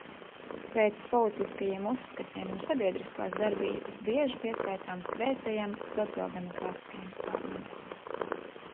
Pēc politiskajiem uzskatiem un sabiedriskās darbības bieži pieskaitāms kreisajam, sociāldemokrātiskajam spārnam.